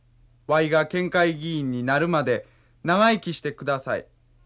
わいが県会議員になるまで長生きして下さい。